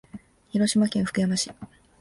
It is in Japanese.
広島県福山市